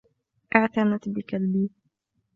اعتنت بكلبي.